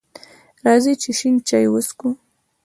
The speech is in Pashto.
راځئ چې شین چای وڅښو!